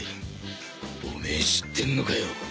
オメエ知ってんのかよ